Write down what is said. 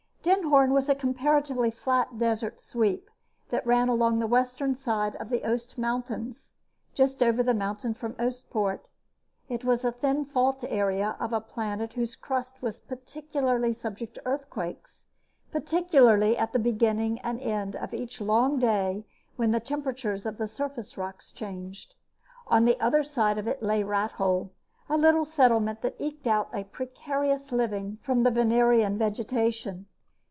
Den Hoorn was a comparatively flat desert sweep that ran along the western side of the Oost Mountains, just over the mountain from Oostpoort. It was a thin fault area of a planet whose crust was peculiarly subject to earthquakes, particularly at the beginning and end of each long day when temperatures of the surface rocks changed. On the other side of it lay Rathole, a little settlement that eked a precarious living from the Venerian vegetation.